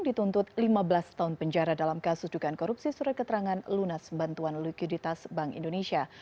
dituntut lima belas tahun penjara dalam kasus dugaan korupsi surat keterangan lunas bantuan likuiditas bank indonesia